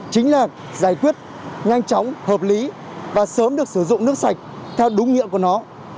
chính là giải quyết nhanh chóng hợp lý và sớm được sử dụng nước sạch theo đúng nhiệm của nó